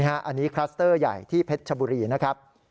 อันนี้คลัสเตอร์ใหญ่ที่เพชรชบุรีนะครับ